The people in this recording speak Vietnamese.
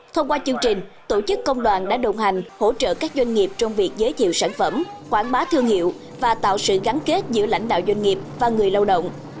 thông qua chương trình tổ chức công đoàn đã đồng hành hỗ trợ các doanh nghiệp trong việc giới thiệu sản phẩm quảng bá thương hiệu và tạo sự gắn kết giữa lãnh đạo doanh nghiệp và người lao động